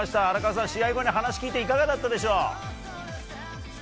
荒川さん、試合後に話聞いて、いかがだったでしょう。